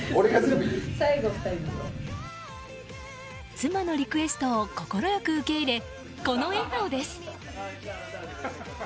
妻のリクエストを快く受け入れこの笑顔です。